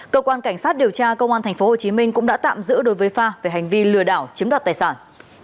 cơ quan cảnh sát điều tra công an tp hcm cũng đã tạm giữ đối với pha về hành vi lừa đảo chiếm đoạt tài sản